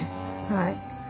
はい。